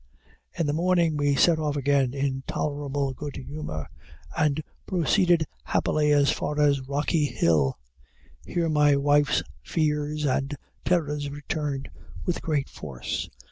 In the morning we set off again in tolerable good humor, and proceeded happily as far as Rocky hill. Here my wife's fears and terrors returned with great force.